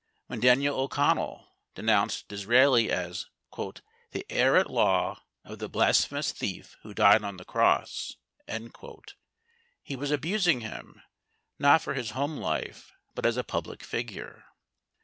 When Daniel O'Connell denounced Disraeli as "the heir at law of the blasphemous thief who died on the cross," he was abusing him, not for his home life, but as a public figure.